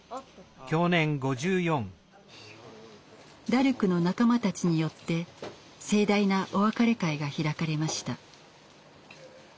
ダルクの仲間たちによって盛大なお別れ会が開かれました。